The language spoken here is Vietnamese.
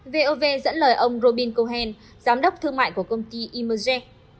vov dẫn lời ông robin cohen giám đốc thương mại của công ty e merserach